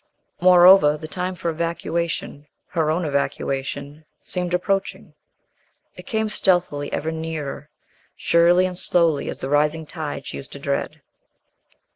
Moreover, the time for evacuation her own evacuation seemed approaching. It came stealthily ever nearer, surely and slowly as the rising tide she used to dread.